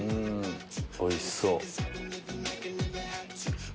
おいしそう。